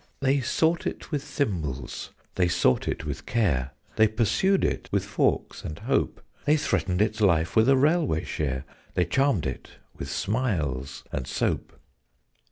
_ They sought it with thimbles, they sought it with care; They pursued it with forks and hope; They threatened its life with a railway share; They charmed it with smiles and soap.